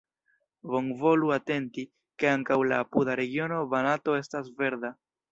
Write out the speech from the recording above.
Bonvolu atenti, ke ankaŭ la apuda regiono Banato estas verda.